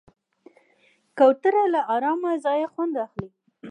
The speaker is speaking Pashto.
کوتره له آرامه ځایه خوند اخلي.